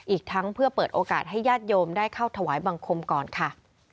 อีกทั้งเพื่อเปิดโอกาสให้ญาติโยมได้เข้าถวายบังคมก่อนค่ะ